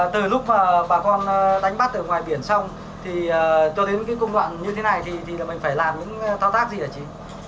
từ lúc bà con đánh bắt ở ngoài biển xong tôi thấy những công đoạn như thế này thì mình phải làm những thao tác gì hả chị